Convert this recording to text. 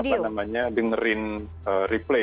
apa namanya dengerin replay